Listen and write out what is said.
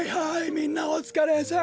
みんなおつかれさん。